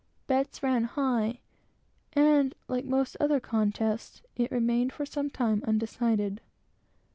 Bets ran high, and, like most other contests, it remained for some time undecided.